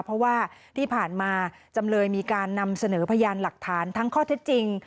เพราะว่าที่ผ่านมาจำเลยมีการนำเสนอพยานหลักฐานทั้งข้อเท็จจริง